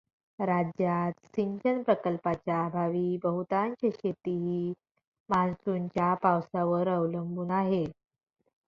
राज्यात सिंचन प्रकल्पांच्या अभावी बहुतांश शेती ही मान्सूनच्या पावसावर अवलंबून आहे.